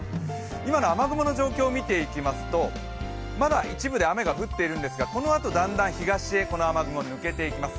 今の雨雲の状況をみていきますと、まだ一部、雨が降ってるんですがこのあとだんだん東へこの雨雲、抜けていきます。